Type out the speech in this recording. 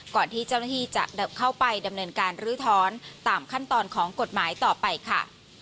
ก่อนที่เจ้าหน้าที่จะเข้าไปดำเนินการลื้อถอนตามขั้นตอนของกฎหมายต่อไปค่ะ